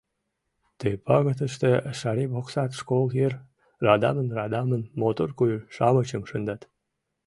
Ты пагытыште Шарибоксад школ йыр радамын-радамын мотор куэ-шамычым шындат.